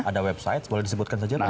ada website boleh disebutkan saja